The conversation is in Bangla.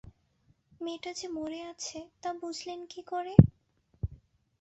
মেয়েটা যে মরে আছে তা বুঝলেন কী করে?